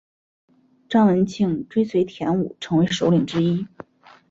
张文庆追随田五成为首领之一。